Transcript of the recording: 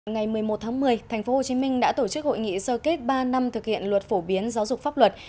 ngày một mươi một tháng một mươi tp hcm đã tổ chức hội nghị sơ kết ba năm thực hiện luật phổ biến giáo dục pháp luật